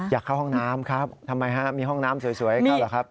อยากเข้าห้องน้ำครับทำไมครับมีห้องน้ำสวยครับ